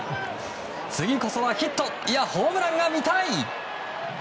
次こそはヒットいや、ホームランが見たい！